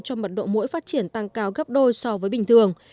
cho mật độ mũi phát triển tăng cao gấp đôi so với bình thường